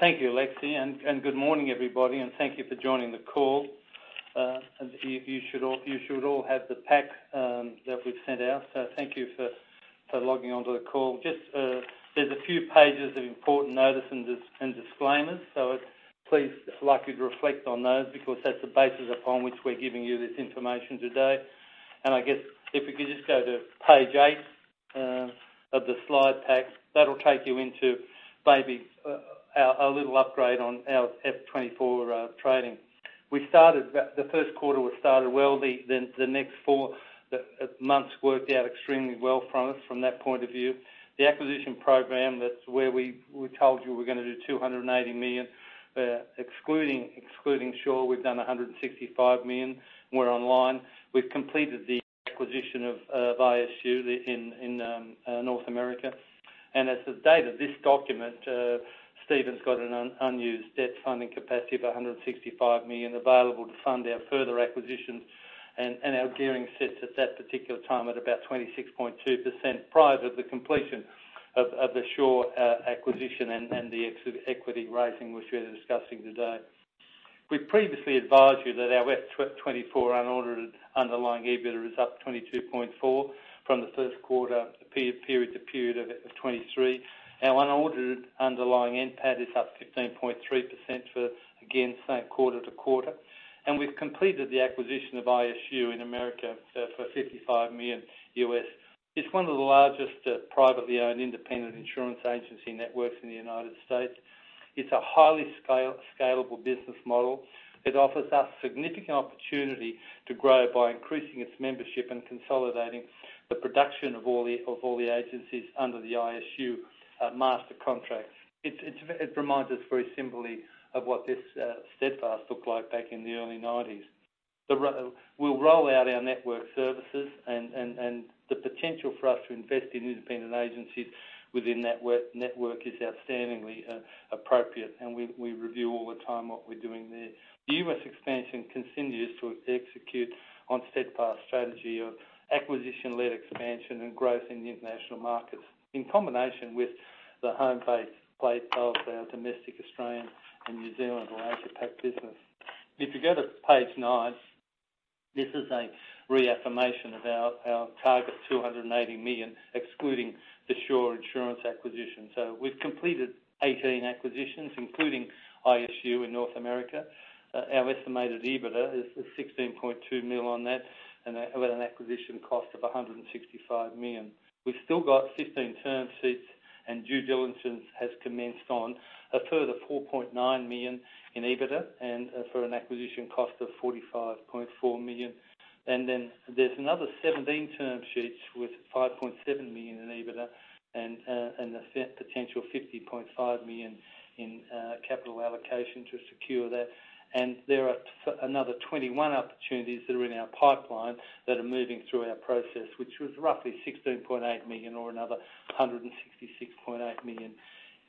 Thank you, Lexi, and good morning, everybody, and thank you for joining the call. You should all have the pack that we've sent out. Thank you for logging on to the call. Just, there's a few pages of important notice and disclaimers, so please, I'd like you to reflect on those because that's the basis upon which we're giving you this information today. I guess if you could just go to page 8 of the slide pack, that'll take you into maybe our a little upgrade on our FY24 trading. The first quarter started well, then the next four months worked out extremely well for us from that point of view. The acquisition program, that's where we told you we're gonna do 280 million. Excluding Sure, we've done 165 million. We're online. We've completed the acquisition of ISU in North America. As of the date of this document, Steadfast's got an unused debt funding capacity of 165 million available to fund our further acquisitions, and our gearing sits at that particular time at about 26.2%, prior to the completion of the Sure acquisition and the equity raising, which we're discussing today. We previously advised you that our FY 2024 unaudited underlying EBITDA is up 22.4% from the first quarter period to period of 2023. Our unaudited underlying NPAT is up 15.3% for, again, same quarter to quarter. We've completed the acquisition of ISU in America for $55 million. It's one of the largest privately owned independent insurance agency networks in the United States. It's a highly scalable business model. It offers us significant opportunity to grow by increasing its membership and consolidating the production of all the agencies under the ISU master contract. It reminds us very simply of what this Steadfast looked like back in the early nineties. We'll roll out our network services and the potential for us to invest in independent agencies within the network is outstandingly appropriate, and we review all the time what we're doing there. The US expansion continues to execute on Steadfast strategy of acquisition-led expansion and growth in the international markets, in combination with the home-based play of our domestic Australian and New Zealand or Asia Pac business. If you go to page 9, this is a reaffirmation of our target, 280 million, excluding the Sure Insurance acquisition. We've completed 18 acquisitions, including ISU in North America. Our estimated EBITDA is 16.2 million on that, and at an acquisition cost of 165 million. We've still got 15 term sheets, and due diligence has commenced on a further 4.9 million in EBITDA and for an acquisition cost of 45.4 million. Then there's another 17 term sheets with 5.7 million in EBITDA and a potential 50.5 million in capital allocation to secure that. And there are another 21 opportunities that are in our pipeline that are moving through our process, which was roughly 16.8 million or another 166.8 million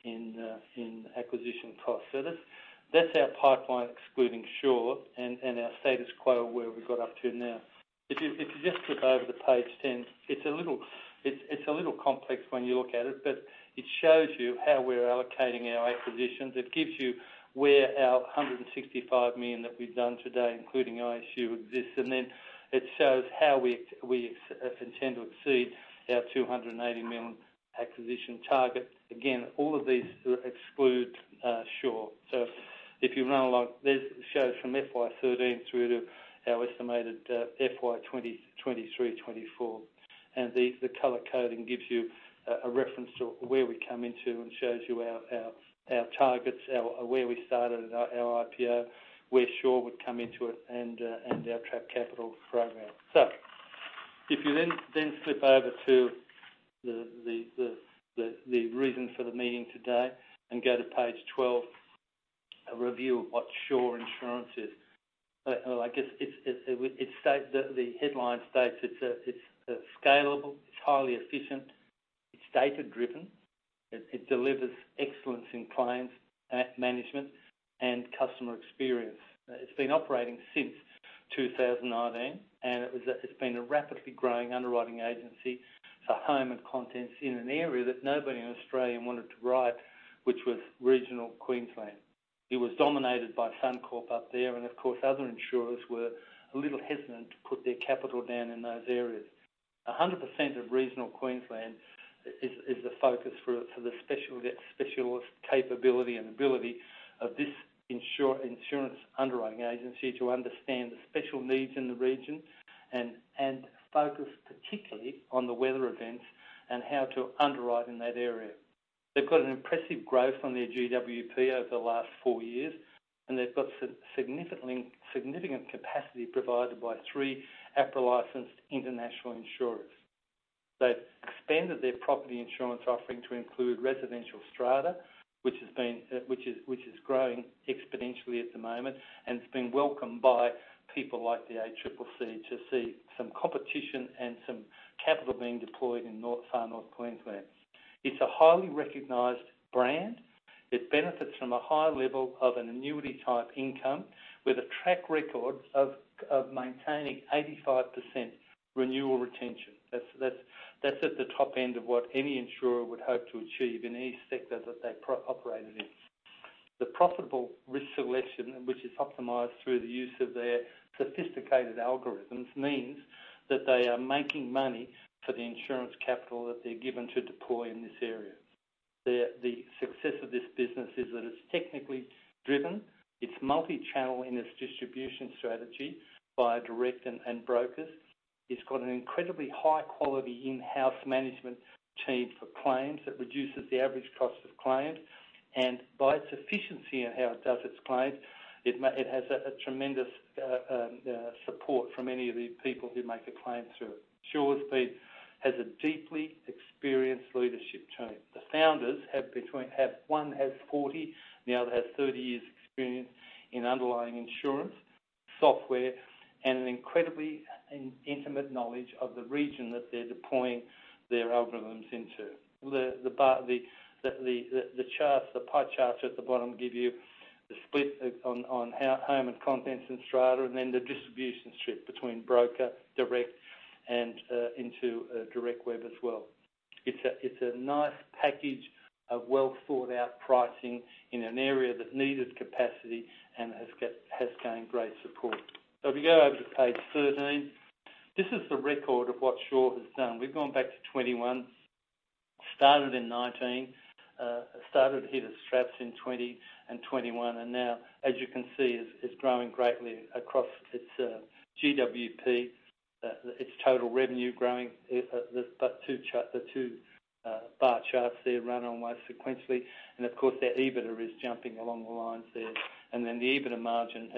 in acquisition cost. That's our pipeline, excluding Sure, and our status quo, where we got up to now. If you just flip over to page 10, it's a little complex when you look at it, but it shows you how we're allocating our acquisitions. It gives you where our 165 million that we've done today, including ISU, exists. Then it shows how we intend to exceed our 280 million acquisition target. Again, all of these exclude Sure. If you run along, this shows from FY13 through to our estimated FY23-24. And the color coding gives you a reference to where we come into and shows you our targets, where we started, our IPO, where Sure would come into it, and our Trapped Capital program. If you then flip over to the reason for the meeting today and go to page 12, a review of what Sure Insurance is. Well, I guess it states the headline states it's a scalable, it's highly efficient, it's data-driven, it delivers excellence in claims and management and customer experience. It's been operating since 2019, and it's been a rapidly growing underwriting agency for home and contents in an area that nobody in Australia wanted to write, which was regional Queensland. It was dominated by Suncorp up there, and of course, other insurers were a little hesitant to put their capital down in those areas. 100% of Regional Queensland is the focus for the specialist capability and ability of this insurance underwriting agency to understand the special needs in the region and focus particularly on the weather events and how to underwrite in that area. They've got an impressive growth on their GWP over the last four years, and they've got significant capacity provided by three APRA-licensed international insurers. They've expanded their property insurance offering to include residential strata, which is growing exponentially at the moment, and it's been welcomed by people like the ACCC to see some competition and some capital being deployed in North, Far North Queensland. It's a highly recognized brand. It benefits from a high level of an annuity-type income with a track record of maintaining 85% renewal retention. That's at the top end of what any insurer would hope to achieve in any sector that they operated in. The profitable risk selection, which is optimized through the use of their sophisticated algorithms, means that they are making money for the insurance capital that they're given to deploy in this area. The success of this business is that it's technically driven, it's multi-channel in its distribution strategy by direct and brokers. It's got an incredibly high quality in-house management team for claims, that reduces the average cost of claims. By its efficiency in how it does its claims, it has a tremendous support from any of the people who make a claim through it. Sure Speed has a deeply experienced leadership team. The founders have—one has 40, the other has 30 years experience in underlying insurance, software, and an incredibly intimate knowledge of the region that they're deploying their algorithms into. The charts, the pie charts at the bottom give you the split on home and contents in strata, and then the distribution strip between broker, direct, and into direct web as well. It's a nice package of well-thought-out pricing in an area that needed capacity and has gained great support. If you go over to page 13, this is the record of what Sure has done. We've gone back to 2021, started in 2019, started to hit its straps in 2020 and 2021, and now, as you can see, is growing greatly across its GWP, its total revenue growing. The two bar charts there run almost sequentially, and of course, their EBITDA is jumping along the lines there. Then the EBITDA margin,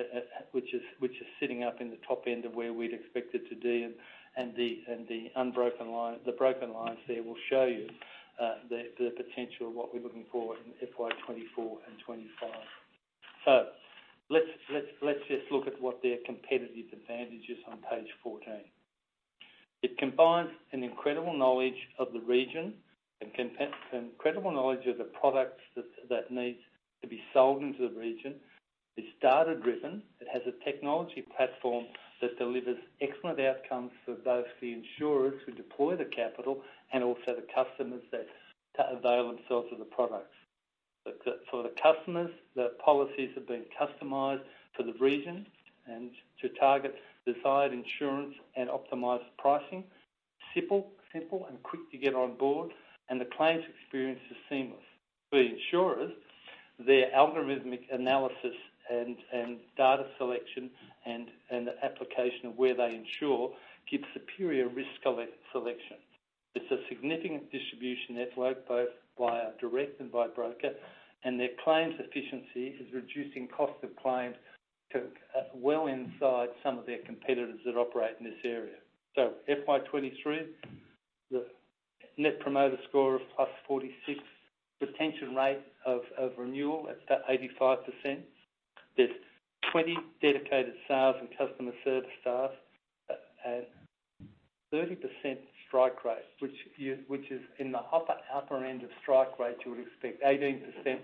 which is sitting up in the top end of where we'd expect it to be, and the unbroken line, the broken lines there will show you, the potential of what we're looking for in FY24 and 2025. Let's just look at what their competitive advantage is on page 14. It combines an incredible knowledge of the region and incredible knowledge of the products that needs to be sold into the region. It's data-driven. It has a technology platform that delivers excellent outcomes for both the insurers who deploy the capital and also the customers that avail themselves of the products. For the customers, the policies have been customized for the region and to target desired insurance and optimized pricing. Simple and quick to get on board, and the claims experience is seamless. For the insurers, their algorithmic analysis and data selection and application of where they insure gives superior risk selection. It's a significant distribution network, both via direct and by broker, and their claims efficiency is reducing cost of claims to well inside some of their competitors that operate in this area. So FY23, the Net Promoter Score of +46, retention rate of renewal, it's about 85%. There are 20 dedicated sales and customer service staff at 30% strike rate, which is in the upper end of strike rate you would expect. 18%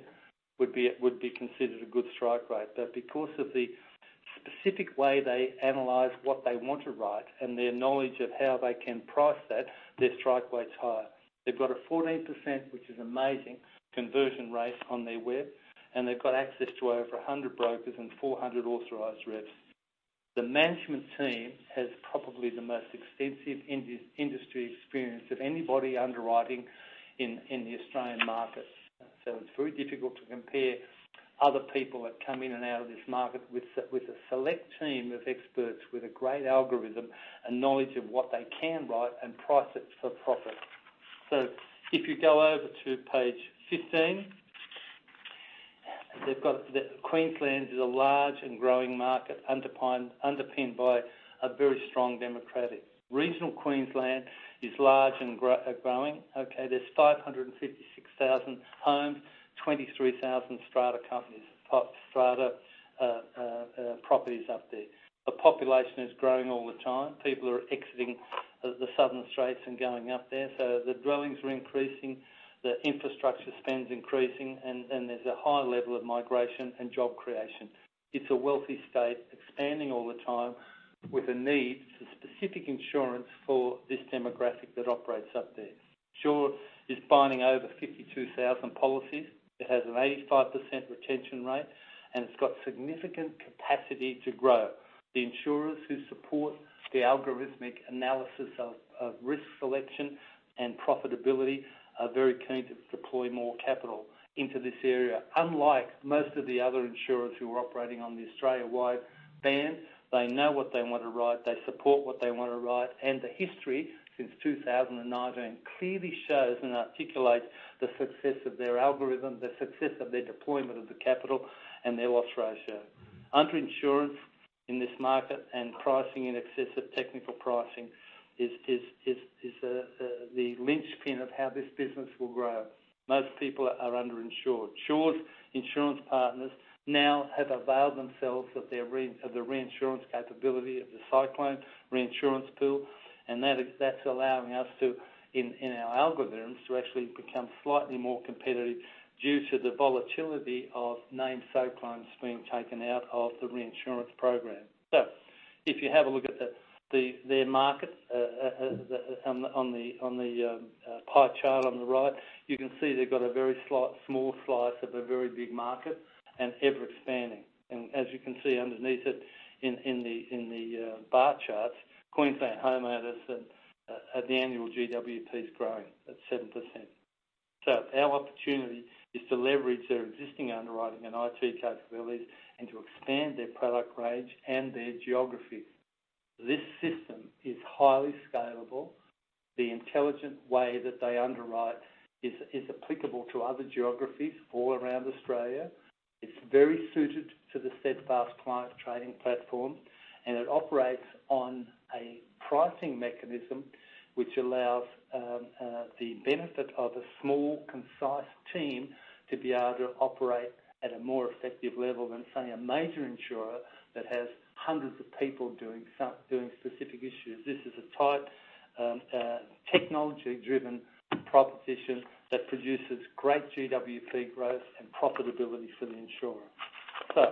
would be considered a good strike rate. Because of the specific way they analyze what they want to write and their knowledge of how they can price that, their strike rate's higher. They've got a 14%, which is amazing, conversion rate on their web, and they've got access to over 100 brokers and 400 authorized reps. The management team has probably the most extensive industry experience of anybody underwriting in the Australian market. So it's very difficult to compare other people that come in and out of this market with a select team of experts, with a great algorithm and knowledge of what they can write and price it for profit. If you go over to page 15, they've got Queensland is a large and growing market, underpinned by a very strong demographic. Regional Queensland is large and growing. Okay, there's 556,000 homes, 23,000 strata companies, top strata properties up there. The population is growing all the time. People are exiting the southern states and going up there, so the growings are increasing, the infrastructure spend's increasing, and there's a high level of migration and job creation. It's a wealthy state, expanding all the time, with a need for specific insurance for this demographic that operates up there. Sure is binding over 52,000 policies. It has an 85% retention rate, and it's got significant capacity to grow. The insurers who support the algorithmic analysis of risk selection and profitability are very keen to deploy more capital into this area. Unlike most of the other insurers who are operating on the Australia-wide ban, they know what they want to write, they support what they want to write, and the history since 2019 clearly shows and articulates the success of their algorithm, the success of their deployment of the capital and their loss ratio. Underinsurance in this market and pricing in excess of technical pricing is the linchpin of how this business will grow. Most people are underinsured. Sure's insurance partners now have availed themselves of the reinsurance capability of the Cyclone Reinsurance Pool, and that's allowing us to, in our algorithms, to actually become slightly more competitive due to the volatility of named cyclones being taken out of the reinsurance program. If you have a look at their markets, on the pie chart on the right, you can see they've got a very slight, small slice of a very big market and ever-expanding. As you can see underneath it, in the bar charts, Queensland homeowners and the annual GWP is growing at 7%. Our opportunity is to leverage their existing underwriting and IT capabilities, and to expand their product range and their geography. This system is highly scalable. The intelligent way that they underwrite is applicable to other geographies all around Australia. It's very suited to the Steadfast Client Trading Platform, and it operates on a pricing mechanism, which allows the benefit of a small, concise team to be able to operate at a more effective level than, say, a major insurer that has hundreds of people doing specific issues. This is a tight, technology-driven proposition that produces great GWP growth and profitability for the insurer.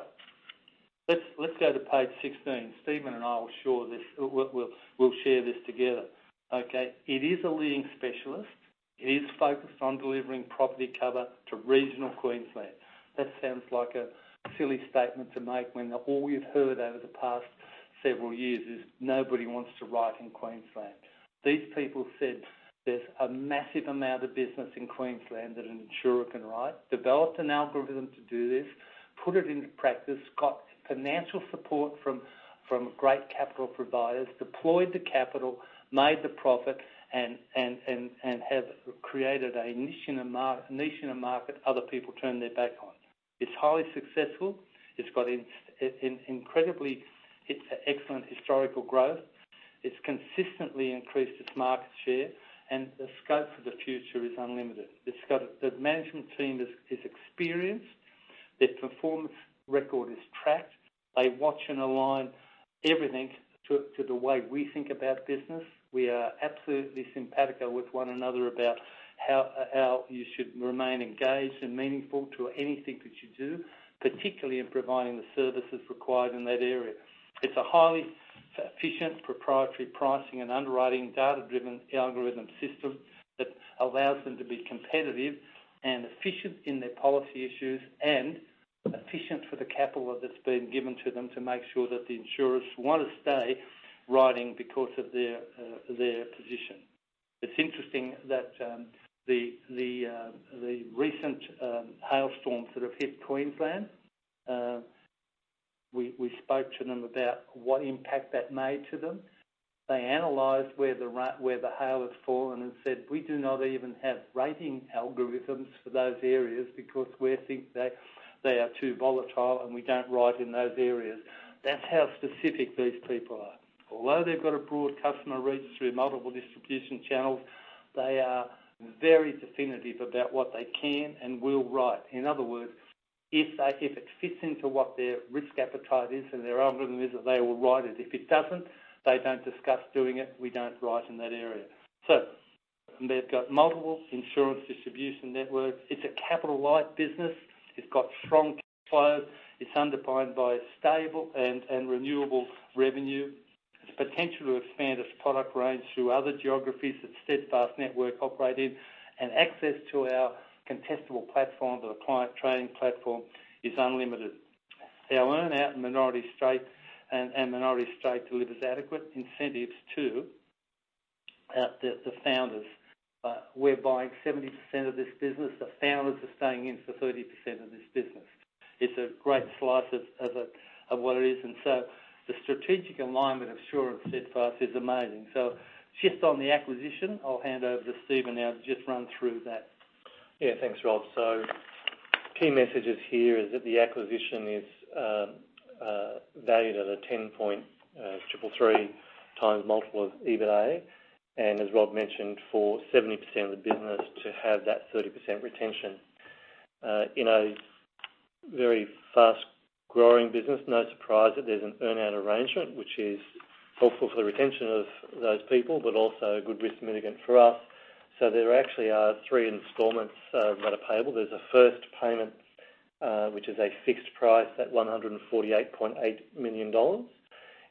Let's go to page 16. Stephen and I will show this. We'll share this together. Okay, it is a leading specialist. It is focused on delivering property cover to Regional Queensland. That sounds like a silly statement to make when all we've heard over the past several years is nobody wants to write in Queensland. These people said there's a massive amount of business in Queensland that an insurer can write, developed an algorithm to do this, put it into practice, got financial support from great capital providers, deployed the capital, made the profit, and have created a niche in a market other people turned their back on. It's highly successful. It's got incredibly excellent historical growth. It's consistently increased its market share, and the scope for the future is unlimited. It's got... The management team is experienced. Their performance record is tracked. They watch and align everything to the way we think about business. We are absolutely simpatico with one another about how you should remain engaged and meaningful to anything that you do, particularly in providing the services required in that area. It's a highly efficient, proprietary pricing and underwriting data-driven algorithm system that allows them to be competitive and efficient in their policy issues, and efficient for the capital that's been given to them to make sure that the insurers want to stay writing because of their position. It's interesting that the recent hailstorms that have hit Queensland, we spoke to them about what impact that made to them. They analyzed where the hail has fallen and said, "We do not even have rating algorithms for those areas because we think they are too volatile, and we don't write in those areas." That's how specific these people are. Although they've got a broad customer registry and multiple distribution channels, they are very definitive about what they can and will write. In other words, if they, if it fits into what their risk appetite is and their algorithm is, that they will write it. If it doesn't, they don't discuss doing it. We don't write in that area. They've got multiple insurance distribution networks. It's a capital-light business. It's got strong flows. It's underpinned by stable and, and renewable revenue. It's potential to expand its product range through other geographies that Steadfast network operate in, and access to our contestable platform, to the Client Trading Platform, is unlimited. Our earn-out and minority stake, and, and minority stake delivers adequate incentives to, the, the founders. We're buying 70% of this business, the founders are staying in for 30% of this business. It's a great slice of, of a, of what it is, and so the strategic alignment of Sure and Steadfast is amazing. Just on the acquisition, I'll hand over to Stephen now to just run through that. Yeah, thanks, Rob. Key messages here is that the acquisition is valued at a 10.333x multiple of EBITDA. As Rob mentioned, for 70% of the business to have that 30% retention in a very fast-growing business, no surprise that there's an earn-out arrangement, which is helpful for the retention of those people, but also a good risk mitigant for us. There actually are three installments that are payable. There's a first payment, which is a fixed price at $148.8 million,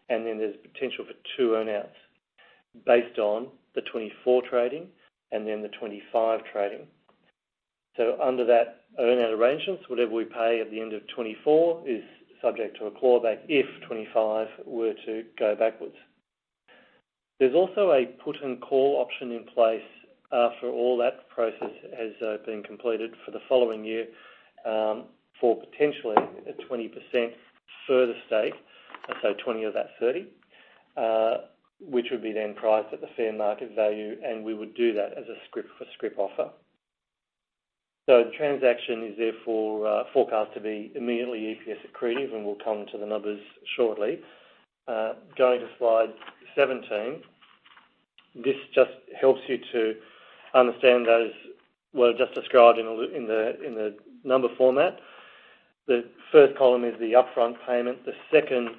and then there's potential for two earn-outs based on the 2024 trading and then the 2025 trading. Under that earn-out arrangements, whatever we pay at the end of 2024 is subject to a clawback if 2025 were to go backwards. There's also a put and call option in place, for all that process has been completed for the following year, for potentially a 20% further stake, and so 20 of that 30, which would be then priced at the fair market value, and we would do that as a scrip for scrip offer. The transaction is therefore forecast to be immediately EPS accretive, and we'll come to the numbers shortly. Going to slide 17. This just helps you to understand those what I just described in the number format. The first column is the upfront payment. The second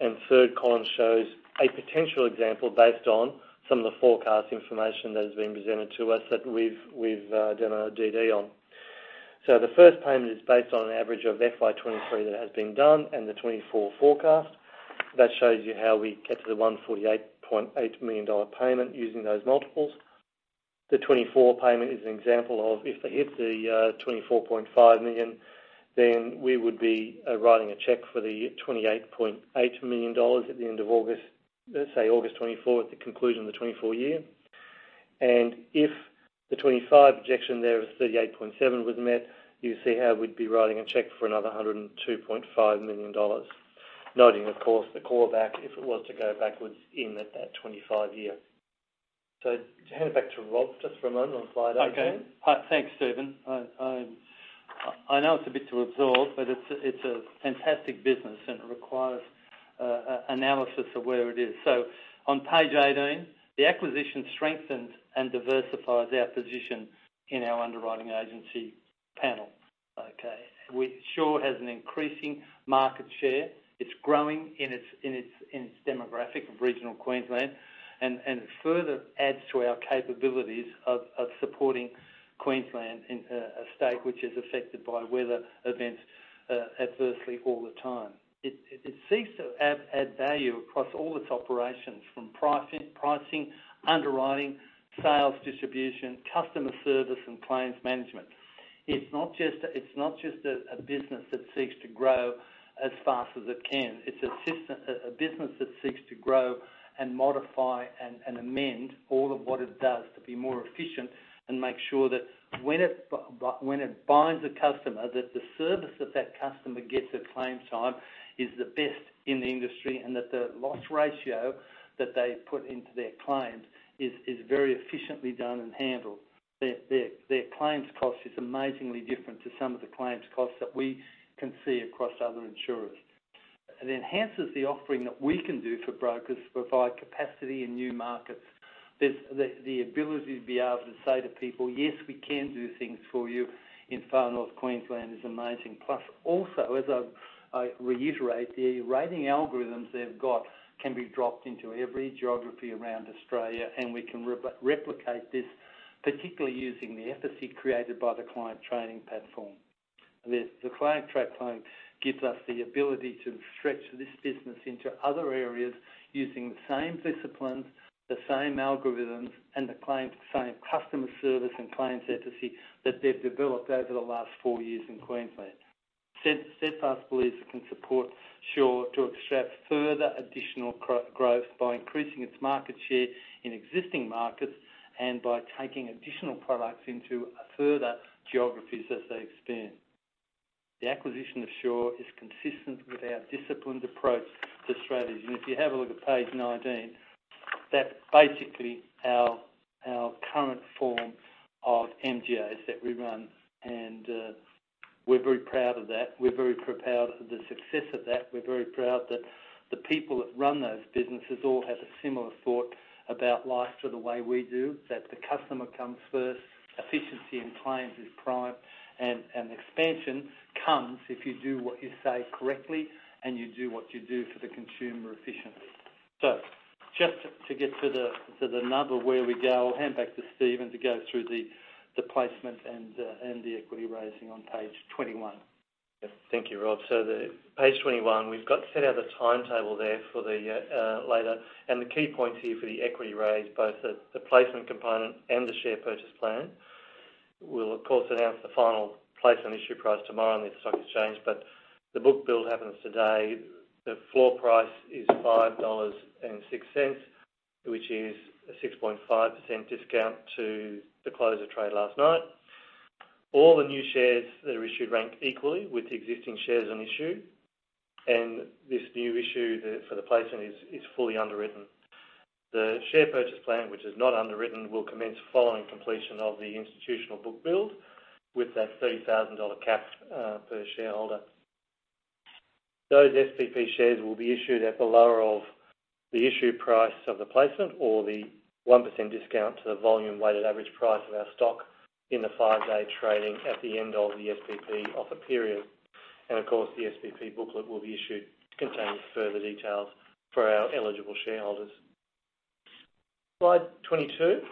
and third column shows a potential example based on some of the forecast information that has been presented to us that we've done our DD on. So the first payment is based on an average of FY 2023 that has been done and the 2024 forecast. That shows you how we get to the 148.8 million dollar payment using those multiples. The 2024 payment is an example of if they hit the 24.5 million, then we would be writing a check for the 28.8 million dollars at the end of August, let's say August 24th, the conclusion of the 2024 year. If the 2025 projection there of 38.7 million was met, you would see how we'd be writing a check for another 102.5 million dollars, noting, of course, the callback, if it was to go backwards in that 2025 year. Hand it back to Rob just for a moment on slide 18. Okay. Thanks, Stephen. I know it's a bit to absorb, but it's a fantastic business, and it requires analysis of where it is. On page 18, the acquisition strengthens and diversifies our position in our underwriting agency panel. Okay, which Sure has an increasing market share. It's growing in its demographic of Regional Queensland, and further adds to our capabilities of supporting Queensland in a state which is affected by weather events adversely all the time. It seeks to add value across all its operations, from pricing, underwriting, sales, distribution, customer service, and claims management. It's not just a business that seeks to grow as fast as it can. It's a business that seeks to grow and modify and amend all of what it does to be more efficient and make sure that when it binds a customer, that the service that that customer gets at claims time is the best in the industry, and that the loss ratio that they put into their claims is very efficiently done and handled. Their claims cost is amazingly different to some of the claims costs that we can see across other insurers. It enhances the offering that we can do for brokers to provide capacity in new markets. There's the ability to be able to say to people, "Yes, we can do things for you in Far North Queensland," is amazing. Plus, also, as I reiterate, the rating algorithms they've got can be dropped into every geography around Australia, and we can replicate this, particularly using the efficacy created by the Client Trading Platform. The Client Trading Platform gives us the ability to stretch this business into other areas using the same disciplines, the same algorithms, and the same customer service and claims efficacy that they've developed over the last four years in Queensland. Steadfast believes it can support Sure to extract further additional growth by increasing its market share in existing markets and by taking additional products into further geographies as they expand. The acquisition of Sure is consistent with our disciplined approach to strategy. If you have a look at page 19, that's basically our current form of MGAs that we run, and we're very proud of that. We're very proud of the success of that. We're very proud that the people that run those businesses all have a similar thought about life to the way we do, that the customer comes first, efficiency in claims is prime, and expansion comes if you do what you say correctly and you do what you do for the consumer efficiently. Just to get to the number where we go, I'll hand back to Stephen to go through the placement and the equity raising on page 21. Yes, thank you, Rob. The page 21, we've got set out the timetable there for the later. The key points here for the equity raise, both the placement component and the share purchase plan. We'll, of course, announce the final placement issue price tomorrow on the stock exchange, but the book build happens today. The floor price is 5.06 dollars, which is a 6.5% discount to the close of trade last night. All the new shares that are issued rank equally with the existing shares on issue, and this new issue that for the placement is fully underwritten. The share purchase plan, which is not underwritten, will commence following completion of the institutional book build with that 30,000 dollar cap per shareholder. Those SPP shares will be issued at the lower of the issue price of the placement or the 1% discount to the volume weighted average price of our stock in the five-day trading at the end of the SPP offer period. Of course, the SPP booklet will be issued to contain further details for our eligible shareholders. Slide 22.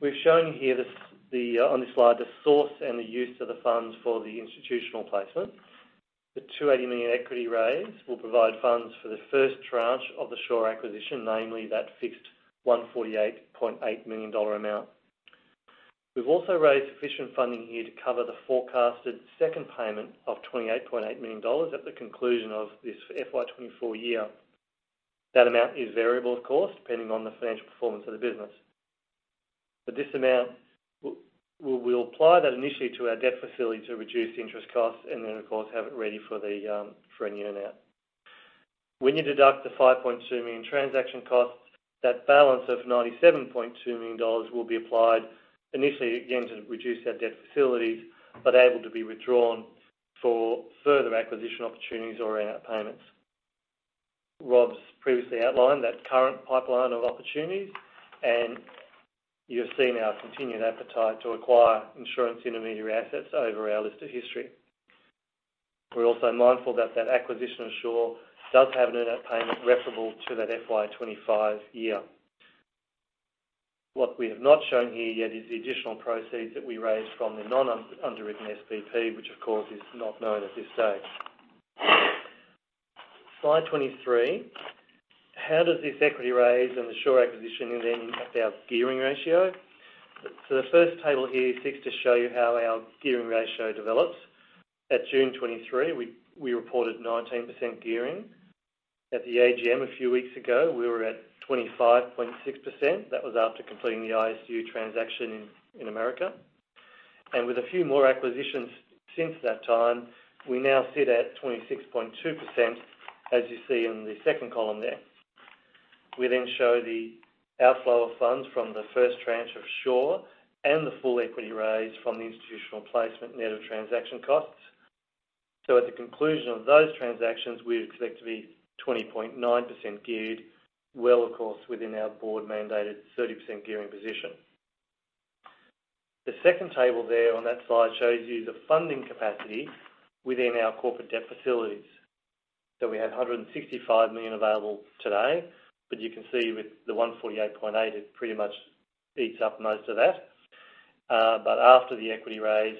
We've shown here the source and the use of the funds for the institutional placement. The 280 million equity raise will provide funds for the first tranche of the Sure acquisition, namely that fixed 148.8 million dollar amount. We've also raised sufficient funding here to cover the forecasted second payment of 28.8 million dollars at the conclusion of this FY 2024 year. That amount is variable, of course, depending on the financial performance of the business. But this amount, we'll apply that initially to our debt facility to reduce interest costs and then, of course, have it ready for the, for any earn-out. When you deduct the 5.2 million transaction costs, that balance of 97.2 million dollars will be applied initially, again, to reduce our debt facilities, but able to be withdrawn for further acquisition opportunities or earn-out payments. Rob's previously outlined that current pipeline of opportunities, and you have seen our continued appetite to acquire insurance intermediary assets over our listed history. We're also mindful that that acquisition of Sure does have an earn-out payment referable to that FY25 year... What we have not shown here yet is the additional proceeds that we raised from the non-underwritten SPP, which of course, is not known at this stage. Slide 23, how does this equity raise and the Sure acquisition then impact our gearing ratio? So the first table here seeks to show you how our gearing ratio develops. At June 2023, we reported 19% gearing. At the AGM a few weeks ago, we were at 25.6%. That was after completing the ISU transaction in America. With a few more acquisitions since that time, we now sit at 26.2%, as you see in the second column there. We then show the outflow of funds from the first tranche of Sure and the full equity raise from the institutional placement net of transaction costs. At the conclusion of those transactions, we expect to be 20.9% geared, well, of course, within our board-mandated 30% gearing position. The second table there on that slide shows you the funding capacity within our corporate debt facilities. We have 165 million available today, but you can see with the 148.8, it pretty much eats up most of that. After the equity raise,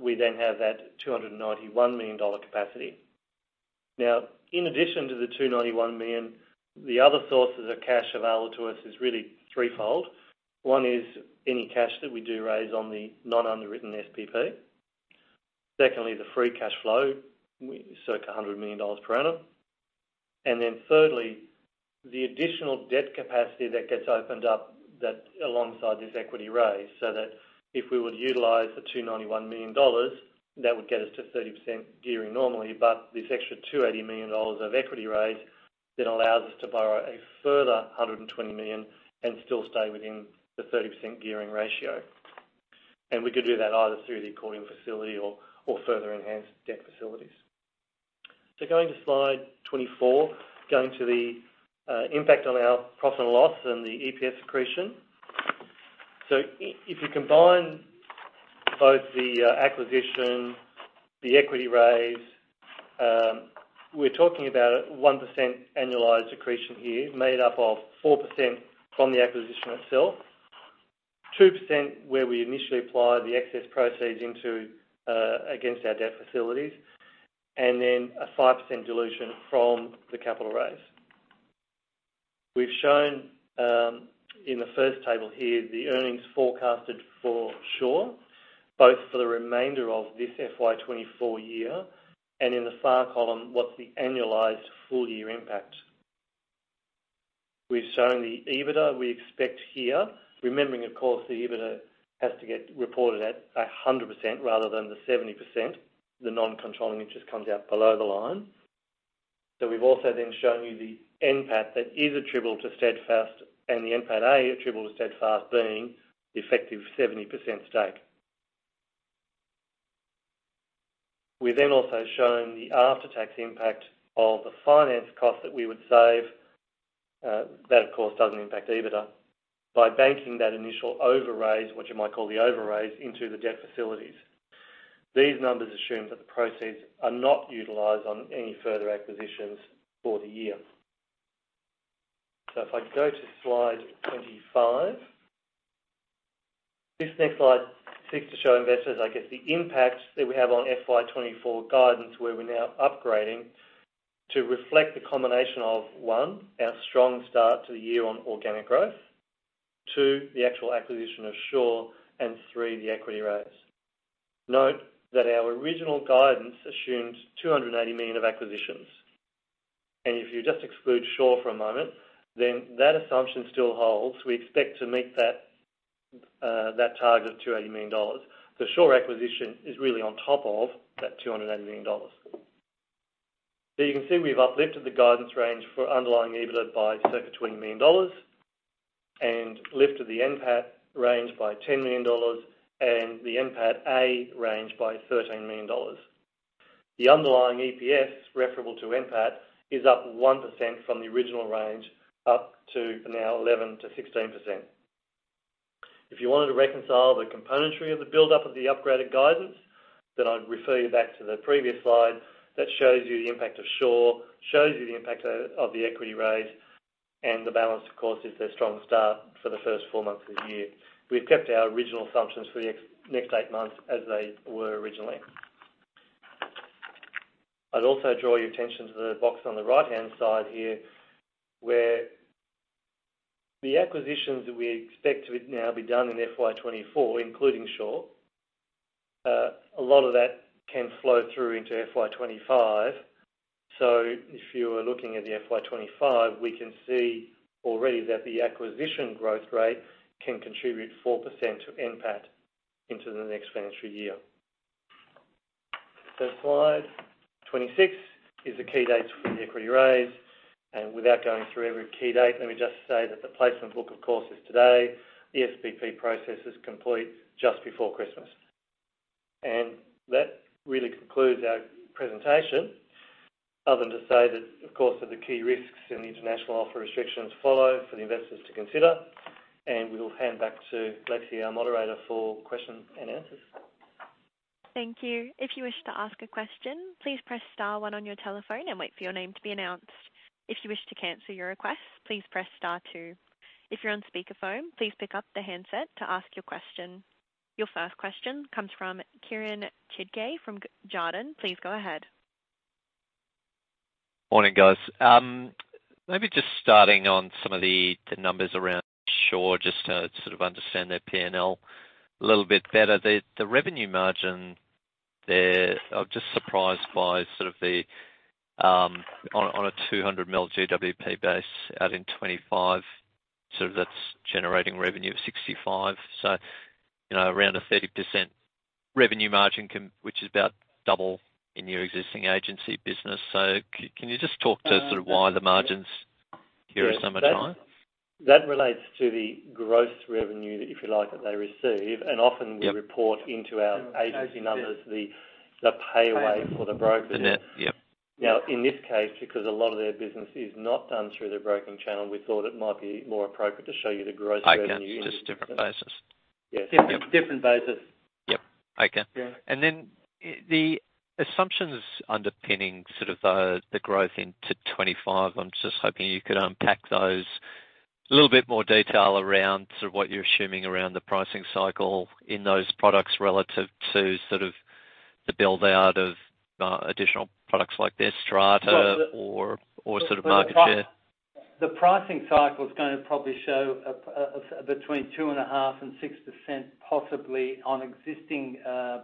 we then have that 291 million dollar capacity. Now, in addition to the 291 million, the other sources of cash available to us is really threefold. One is any cash that we do raise on the non-underwritten SPP. Secondly, the free cash flow, circa 100 million dollars per annum. And then thirdly, the additional debt capacity that gets opened up that alongside this equity raise, so that if we would utilize the 291 million dollars, that would get us to 30% gearing normally, but this extra 280 million dollars of equity raise, it allows us to borrow a further 120 million and still stay within the 30% gearing ratio. We could do that either through the accordion facility or, or further enhanced debt facilities. Going to slide 24, going to the impact on our profit and loss and the EPS accretion. So if you combine both the acquisition, the equity raise, we're talking about a 1% annualized accretion here, made up of 4% from the acquisition itself, 2% where we initially applied the excess proceeds into against our debt facilities, and then a 5% dilution from the capital raise. We've shown in the first table here, the earnings forecasted for Sure, both for the remainder of this FY 2024 year, and in the far column, what's the annualized full year impact? We've shown the EBITDA we expect here, remembering, of course, the EBITDA has to get reported at 100% rather than the 70%. The non-controlling interest comes out below the line. We've also then shown you the NPAT that is attributable to Steadfast and the NPATA attributable to Steadfast being the effective 70% stake. We've then also shown the after-tax impact of the finance cost that we would save, that of course, doesn't impact EBITDA, by banking that initial overraise, which you might call the overraise, into the debt facilities. These numbers assume that the proceeds are not utilized on any further acquisitions for the year. If I go to slide 25, this next slide seeks to show investors, I guess, the impact that we have on FY 2024 guidance, where we're now upgrading to reflect the combination of, one, our strong start to the year on organic growth, two, the actual acquisition of Shaw, and three, the equity raise. Note that our original guidance assumes 280 million of acquisitions. If you just exclude Shaw for a moment, then that assumption still holds. We expect to meet that, that target of 280 million dollars. The Shaw acquisition is really on top of that 280 million dollars. You can see we've uplifted the guidance range for underlying EBITDA by circa 20 million dollars and lifted the NPAT range by 10 million dollars and the NPATA range by 13 million dollars. The underlying EPS, referable to NPAT, is up 1% from the original range, up to now 11%-16%. If you wanted to reconcile the components of the buildup of the upgraded guidance, then I'd refer you back to the previous slide that shows you the impact of Shaw, shows you the impact of the equity raise, and the balance, of course, is the strong start for the first four months of the year. We've kept our original assumptions for the next eight months as they were originally. I'd also draw your attention to the box on the right-hand side here, where the acquisitions that we expect to now be done in FY24, including Sure, a lot of that can flow through into FY25. If you are looking at the FY25, we can see already that the acquisition growth rate can contribute 4% to NPAT into the next financial year. Slide 26 is the key dates for the equity raise, and without going through every key date, let me just say that the placement book, of course, is today. The SPP process is complete just before Christmas. That really concludes our presentation, other than to say that, of course, that the key risks and the international offer restrictions follow for the investors to consider, and we'll hand back to Lexi, our moderator, for questions and answers.... Thank you. If you wish to ask a question, please press star one on your telephone and wait for your name to be announced. If you wish to cancel your request, please press star two. If you're on speakerphone, please pick up the handset to ask your question. Your first question comes from Kieren Chidgey from Jarden. Please go ahead. Morning, guys. Maybe just starting on some of the numbers around Sure, just to sort of understand their P&L a little bit better. The revenue margin there, I'm just surprised by sort of the on a 200 million GWP base out in 2025, sort of that's generating revenue of 65 million. You know, around a 30% revenue margin, which is about double in your existing agency business. Can you just talk to sort of why the margins here are so much higher? That relates to the gross revenue, if you like, that they receive. Yep. Often we report into our agency numbers, the payaway for the broker. The net. Yep. Now, in this case, because a lot of their business is not done through the broking channel, we thought it might be more appropriate to show you the gross revenue. Okay, just different basis. Yeah. Different, different basis. Yep. Okay. Yeah. And then the assumptions underpinning sort of, the growth into 25, I'm just hoping you could unpack those. A little bit more detail around sort of what you're assuming around the pricing cycle in those products relative to sort of the build-out of, additional products like their strata or, or sort of market share. The pricing cycle is going to probably show a between 2.5% and 6%, possibly on existing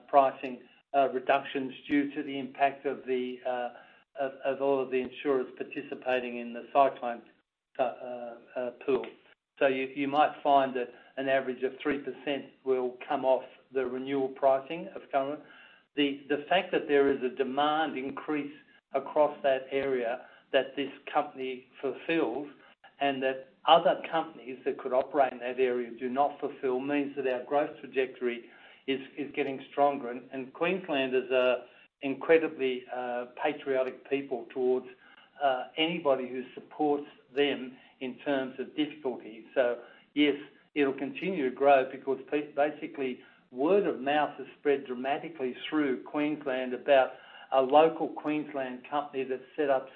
pricing reductions due to the impact of the of all of the insurers participating in the cyclone pool. You might find that an average of 3% will come off the renewal pricing of current. The fact that there is a demand increase across that area that this company fulfills, and that other companies that could operate in that area do not fulfill, means that our growth trajectory is getting stronger. Queenslanders are incredibly patriotic people towards anybody who supports them in terms of difficulties. So yes, it'll continue to grow because basically, word of mouth has spread dramatically through Queensland about a local Queensland company that's set up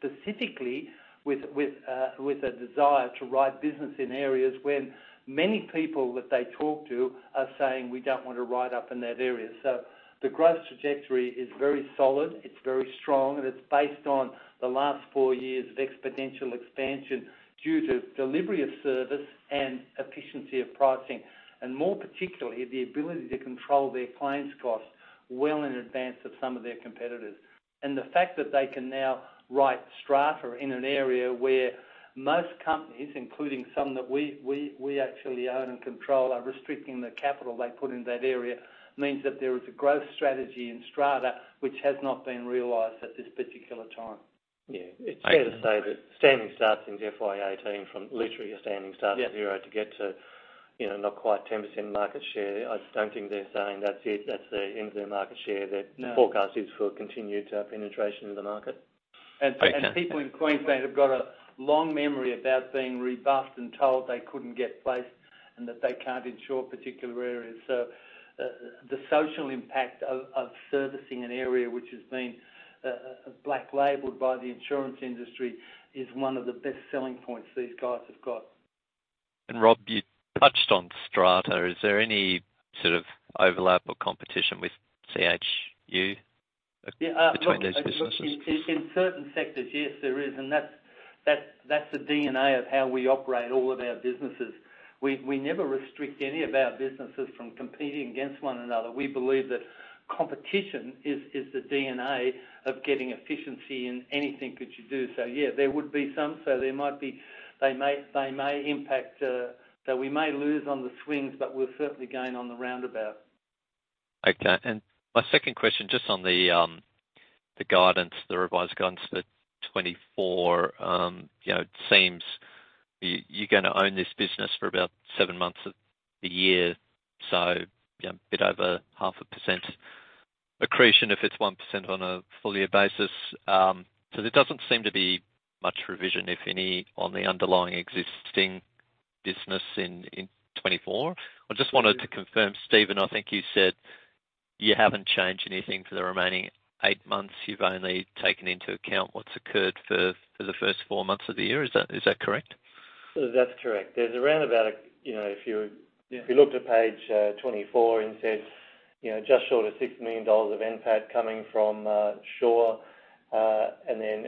specifically with a desire to write business in areas when many people that they talk to are saying, "We don't want to write up in that area." So the growth trajectory is very solid, it's very strong, and it's based on the last four years of exponential expansion due to delivery of service and efficiency of pricing. More particularly, the ability to control their claims costs well in advance of some of their competitors. The fact that they can now write strata in an area where most companies, including some that we actually own and control, are restricting the capital they put in that area, means that there is a growth strategy in strata which has not been realized at this particular time. Yeah. Okay. It's fair to say that standing start in FY18 from literally a standing start to zero- Yeah -to get to, you know, not quite 10% market share. I don't think they're saying that's it, that's the end of their market share. No. The forecast is for continued penetration in the market. Okay. And people in Queensland have got a long memory about being rebuffed and told they couldn't get placed and that they can't insure particular areas. The social impact of servicing an area which has been black labeled by the insurance industry is one of the best selling points these guys have got. Rob, you touched on strata. Is there any sort of overlap or competition with CHU between these businesses? In certain sectors, yes, there is, and that's the DNA of how we operate all of our businesses. We never restrict any of our businesses from competing against one another. We believe that competition is the DNA of getting efficiency in anything that you do. Yeah, there would be some. There might be. They may impact, so we may lose on the swings, but we'll certainly gain on the roundabout. Okay. My second question, just on the guidance, the revised guidance for 2024. You know, it seems you, you're going to own this business for about 7 months of the year, so, you know, a bit over 0.5% accretion if it's 1% on a full year basis. There doesn't seem to be much revision, if any, on the underlying existing business in 2024. I just wanted to confirm, Stephen, I think you said you haven't changed anything for the remaining 8 months. You've only taken into account what's occurred for the first 4 months of the year. Is that correct? That's correct. There's around about, you know, if you- Yeah... if you looked at page 24, and it says, you know, just short of 6 million dollars of NPAT coming from Sure, and then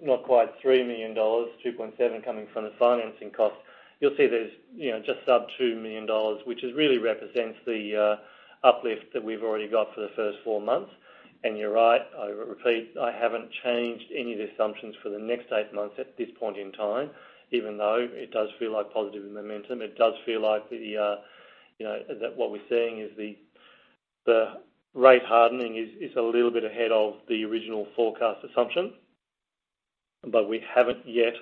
not quite 3 million dollars, 2.7 coming from the financing costs. You'll see there's, you know, just sub 2 million dollars, which is really represents the uplift that we've already got for the first four months. You're right, I repeat, I haven't changed any of the assumptions for the next eight months at this point in time, even though it does feel like positive momentum. It does feel like the, you know, that what we're seeing is the rate hardening is a little bit ahead of the original forecast assumption, but we haven't yet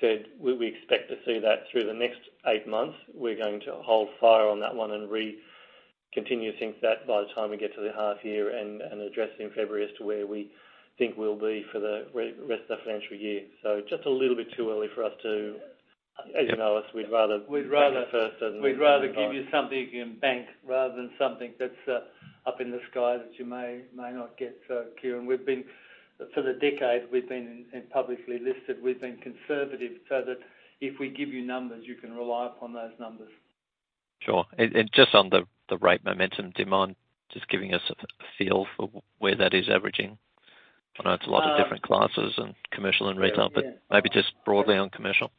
said we expect to see that through the next eight months. We're going to hold fire on that one and continue to think that by the time we get to the half year and address it in February as to where we think we'll be for the rest of the financial year. Just a little bit too early for us to— As you know us, we'd rather- We'd rather- Say it first then. We'd rather give you something you can bank rather than something that's up in the sky that you may not get. Kieran, we've been, for the decade we've been in publicly listed, we've been conservative, so that if we give you numbers, you can rely upon those numbers. Sure. Just on the rate momentum, do you mind just giving us a feel for where that is averaging? I know it's a lot of different classes and commercial and retail- Yeah. But maybe just broadly on commercial.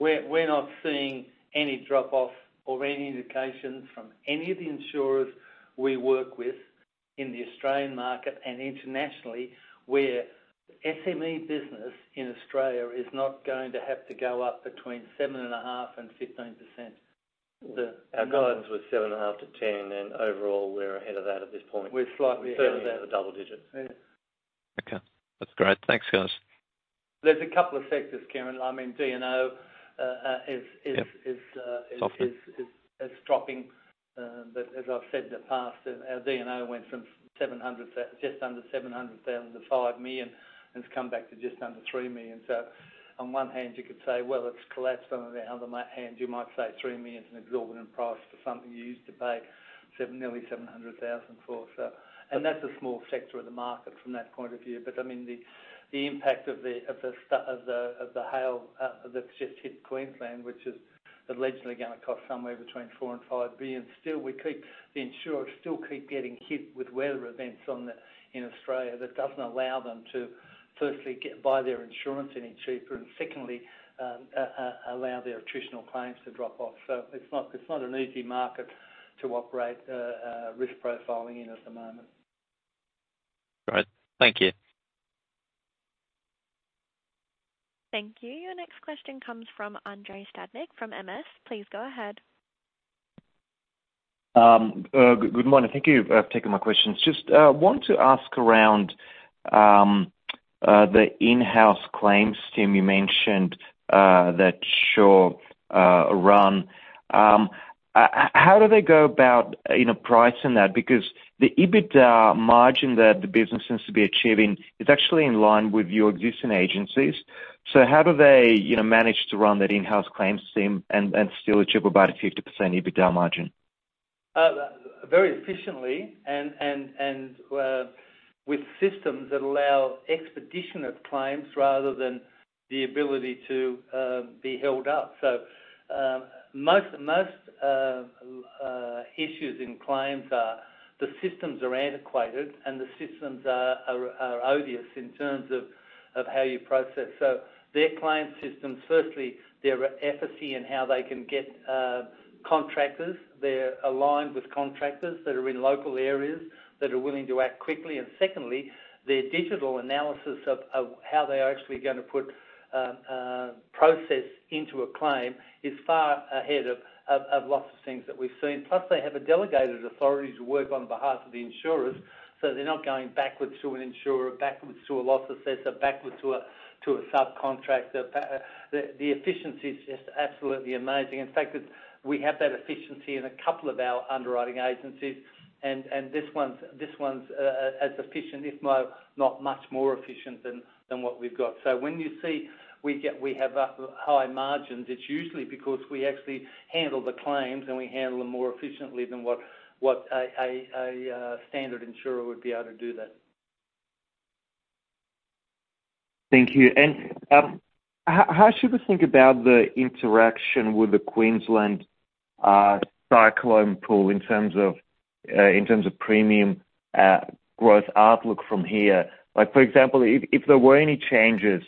We're not seeing any drop-off or any indications from any of the insurers we work with in the Australian market and internationally, where SME business in Australia is not going to have to go up between 7.5% and 15%. Our guidance was 7.5-10, and overall, we're ahead of that at this point. We're slightly ahead. Certainly out of double digits. Yeah. Okay, that's great. Thanks, guys. There's a couple of sectors, Kieran. I mean, D&O, Yeah... Is, is dropping. As I've said in the past, our D&O went from just under 700,000 to 5 million, and it's come back to just under 3 million. On one hand, you could say, "Well, it's collapsed." On the other hand, you might say 3 million is an exorbitant price for something you used to pay nearly 700,000 for. That's a small sector of the market from that point of view. I mean, the impact of the hail that's just hit Queensland, which is allegedly gonna cost somewhere between 4 billion and 5 billion. Still, the insurers still keep getting hit with weather events in Australia. That doesn't allow them to, firstly, get, buy their insurance any cheaper, and secondly, allow their attritional claims to drop off. It's not, it's not an easy market to operate, risk profiling in at the moment. Great. Thank you. Thank you. Your next question comes from Andrei Stadnik, from MS. Please go ahead. Good morning. Thank you for taking my questions. Just want to ask around the in-house claims team you mentioned that Sure run. How do they go about, you know, pricing that? Because the EBITDA margin that the business seems to be achieving is actually in line with your existing agencies. How do they, you know, manage to run that in-house claims team and still achieve about a 50% EBITDA margin? Very efficiently with systems that allow expedition of claims rather than the ability to be held up. Most issues in claims are: the systems are antiquated, and the systems are odious in terms of how you process. Their claims system, firstly, their efficacy in how they can get contractors. They're aligned with contractors that are in local areas, that are willing to act quickly. Secondly, their digital analysis of how they are actually gonna put process into a claim is far ahead of lots of things that we've seen. Plus, they have a delegated authority to work on behalf of the insurers, so they're not going backwards to an insurer, backwards to a loss assessor, backwards to a subcontractor. The efficiency is just absolutely amazing. In fact, we have that efficiency in a couple of our underwriting agencies, and this one's as efficient, if not more efficient than what we've got. When you see we get we have high margins, it's usually because we actually handle the claims, and we handle them more efficiently than what a standard insurer would be able to do that. Thank you. How should we think about the interaction with the Queensland cyclone pool, in terms of premium growth outlook from here? Like, for example, if there were any changes